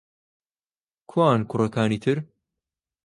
کوان کوڕەکانی تر؟